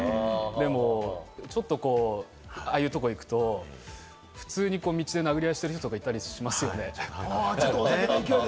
でも、ちょっとこう、ああいうところ行くと、普通に道で殴り合いしてる人とかいたりしますよね？